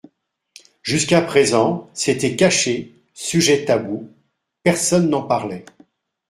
Jusqu’à présent, c’était caché, sujet tabou, personne n’en parlait.